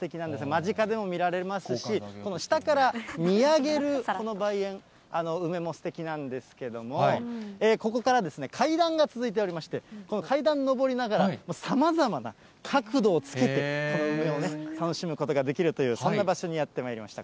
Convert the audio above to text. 間近でも見られますし、下から見上げるこの梅園、梅もすてきなんですけども、ここから階段が続いておりまして、この階段上りながら、さまざまな角度をつけて、梅を楽しむことができるという、そんな場所にやってまいりました。